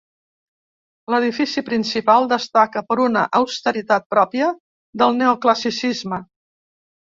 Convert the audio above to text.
L'edifici principal destaca per una austeritat pròpia del neoclassicisme.